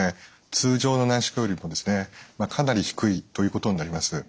通常の内視鏡よりもかなり低いということになります。